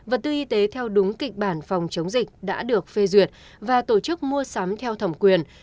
vật tư y tế theo đúng kịch bản phòng chống dịch đã được phê duyệt và tổ chức mua sắm theo thẩm quyền